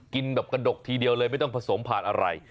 กินแบบกระดกทีเดียวเลยไม่ต้องผสมผ่านอะไร